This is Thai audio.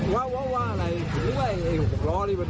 จำไม่ได้นะผมได้ยิน